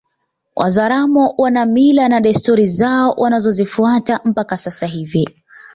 Wazaramo wana mila na desturi zao wanazozifuata mpaka sasa hivi